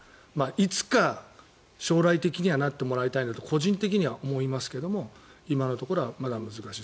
いつか将来的にはなってもらいたいなと個人的には思いますけど今のところはまだ難しい。